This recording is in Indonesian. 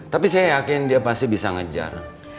tapi saya yakin dia pasti bisa ngejar